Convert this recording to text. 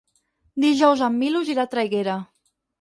Dijous en Milos irà a Traiguera.